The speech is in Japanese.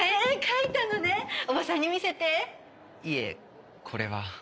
いえこれは。